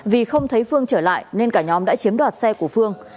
vì không thấy phương trở lại nên cả nhóm đã chiếm đoạt xe của phương